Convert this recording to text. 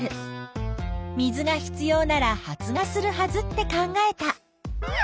水が必要なら発芽するはずって考えた。